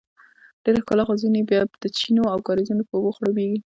ډیره ښکلا خو ځینې یې بیا د چینو او کاریزونو په اوبو خړوبیږي.